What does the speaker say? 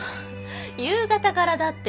夕方からだって。